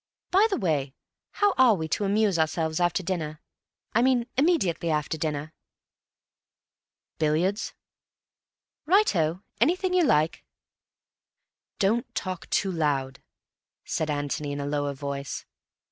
"By the way, how are we amusing ourselves after dinner? I mean immediately after dinner." "Billiards?" "Righto. Anything you like." "Don't talk too loud," said Antony in a lower voice.